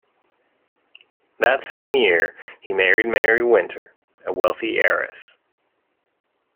That same year, he married Mary Wynter, a wealthy heiress.